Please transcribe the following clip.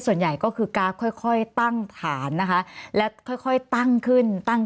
ส่วนใหญ่ก็คือกราฟค่อยค่อยตั้งฐานนะคะแล้วค่อยค่อยตั้งขึ้นตั้ง